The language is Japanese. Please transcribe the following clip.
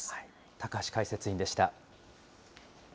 高橋解説委員でした。